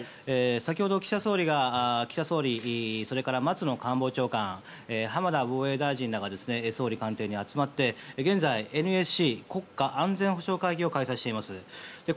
先ほど岸田総理それから松野官房長官浜田防衛大臣らが総理官邸に集まって現在ＮＳＣ・国家安全保障会議を開催しています。